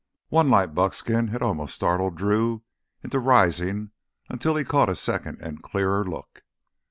One light buckskin had almost startled Drew into rising until he caught a second and clearer look.